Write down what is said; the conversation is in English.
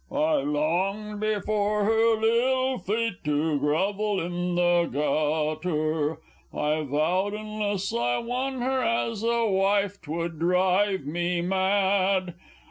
_ I longed before her little feet to grovel in the gutter: I vowed, unless I won her as a wife, 'twould drive me mad!